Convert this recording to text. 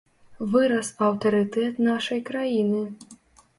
Вырас аўтарытэт нашай краіны.